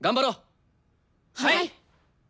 はい！